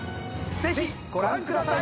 ぜひご覧ください！